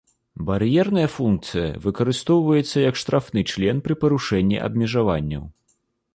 Бар'ерная функцыя выкарыстоўваецца як штрафны член пры парушэнні абмежаванняў.